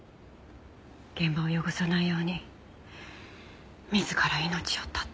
現場を汚さないように自ら命を絶った。